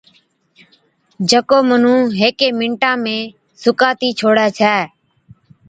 جڪو مُنُون هيڪي مِنٽا ۾ سُڪاتِي ڇوڙَي ڇَي۔